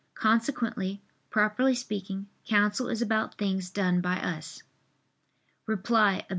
Consequently, properly speaking, counsel is about things done by us. Reply Obj.